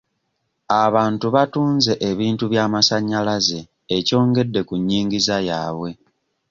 Abantu batunze ebintu by'amasannyalaze ekyongedde ku nnyingiza yaabwe.